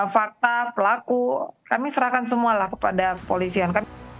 fakta pelaku kami serahkan semualah kepada kepolisian